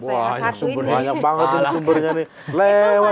saya mas satu ini wah banyak banget sumbernya